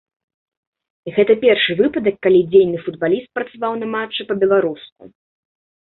Гэта першы выпадак, калі дзейны футбаліст працаваў на матчы па-беларуску.